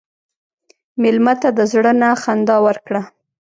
مېلمه ته د زړه نه خندا ورکړه.